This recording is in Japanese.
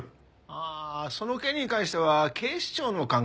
ああその件に関しては警視庁の管轄なんや。